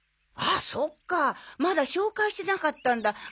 あっそっかまだ紹介してなかったんだ。